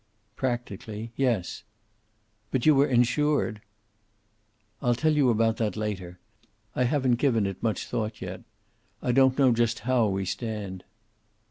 "Practically. Yes." "But you were insured?" "I'll tell you about that later. I haven't given it much thought yet. I don't know just how we stand."